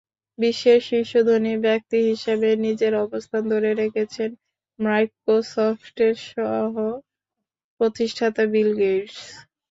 বিশ্বের শীর্ষ ধনী ব্যক্তি হিসেবে নিজের অবস্থান ধরে রেখেছেন মাইক্রোসফটের সহ-প্রতিষ্ঠাতা বিল গেটস।